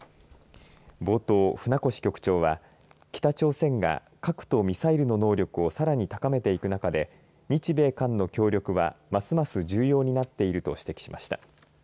冒頭、船越局長は北朝鮮が核とミサイルの能力をさらに高めていく中で日米韓の協力は、ますます重要になっていると指摘しました。